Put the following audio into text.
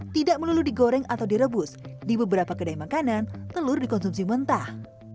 tidak melulu digoreng atau direbus di beberapa kedai makanan telur dikonsumsi mentah